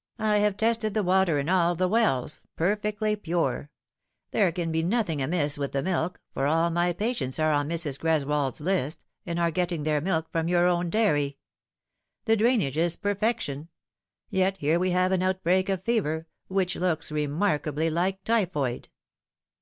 " I have tested the water in all the wells perfectly pure. There can be nothing amiss with the milk, for all my patients are on Mrs. Greswold's list, and are getting their milk from your own dairy. The drainage is perfection yet here we have an outbreak of fever, which looks remarkably like typhoid."